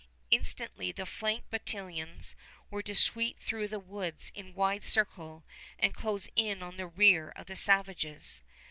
Instantly the flank battalions were to sweep through the woods in wide circle and close in on the rear of the savages.